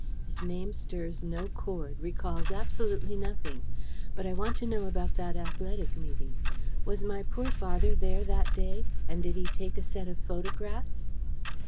His name stirs no chord recalls absolutely nothing. But I want to know about that Athletic Meeting. Was my poor father there that day? And did he take a set of photographs?"